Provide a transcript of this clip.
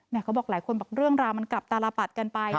เขาบอกหลายคนบอกเรื่องราวมันกลับตารปัดกันไป